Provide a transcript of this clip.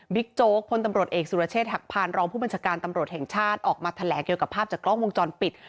โจ๊กพลตำรวจเอกสุรเชษฐหักพานรองผู้บัญชาการตำรวจแห่งชาติออกมาแถลงเกี่ยวกับภาพจากกล้องวงจรปิด